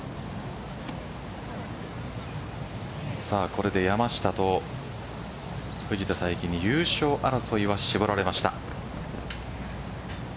これで山下と藤田さいきに優勝争いは絞られました。